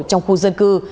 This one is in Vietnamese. trong khu dân cư